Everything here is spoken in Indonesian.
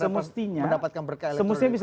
mendapatkan berkah elektronik semestinya bisa